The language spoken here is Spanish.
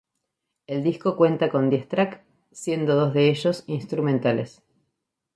El disco cuenta con diez track, siendo dos de ellos instrumentales.